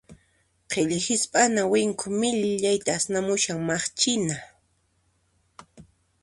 Qhilli hisp'ana winku millayta asnamushan, maqchina.